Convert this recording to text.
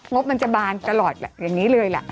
งบมันจะบานตลอดแหละอย่างนี้เลยแหละ